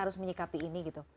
harus menyikapi ini gitu